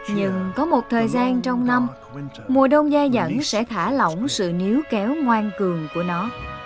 nhưng có một thời gian trong năm mùa đông dai dẫn sẽ thả lỏng sự níu kéo ngoan cường của nó